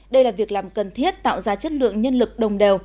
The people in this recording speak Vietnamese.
đây là việc làm cần thiết tạo ra chất lượng nhân lực đồng đều